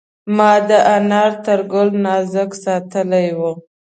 ما د انارو تر ګل نازک ساتلی و.